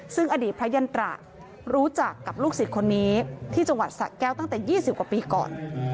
ซึ่งอดีตพระยันตระรู้จักกับลูกศิษย์คนนี้ที่จังหวัดสะแก้วตั้งแต่๒๐กว่าปีก่อน